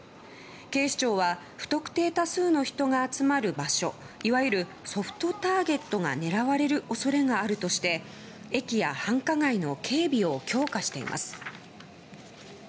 警視庁は不特定多数の人が集まる場所いわゆるソフトターゲットが狙われる恐れがあるとして駅や繁華街の警備を強化しています。